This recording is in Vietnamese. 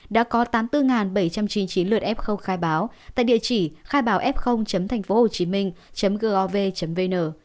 đã có tám mươi bốn bảy trăm chín mươi chín lượt f khai báo tại địa chỉ khai báo f tp hcm gov vn